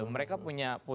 mereka punya trik